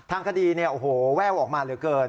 ทางคดีเนี่ยโอ้โหแว่วออกมาเหลือเกิน